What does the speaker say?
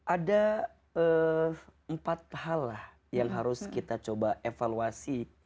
ada empat hal lah yang harus kita coba evaluasi